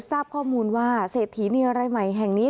และทราบข้อมูลว่าเศรษฐีเนียไรไหมแห่งนี้